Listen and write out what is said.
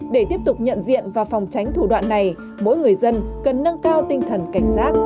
để tiếp tục nhận diện và phòng tránh thủ đoạn này mỗi người dân cần nâng cao tinh thần cảnh giác